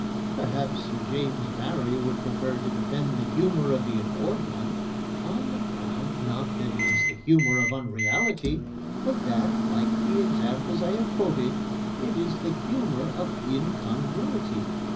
Perhaps Sir James Barrie would prefer to defend the humour of The Adored One on the ground, not that it is the humour of unreality, but that, like the examples I have quoted, it is the humour of incongruity.